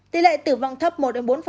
tỷ lệ tử vong thấp một bốn